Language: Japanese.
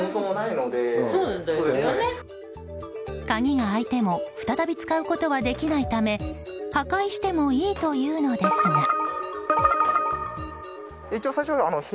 鍵が開いても再び使うことはできないため破壊してもいいというのですが。